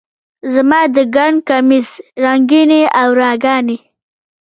زما د ګنډ کمیس رنګینې ارواګانې،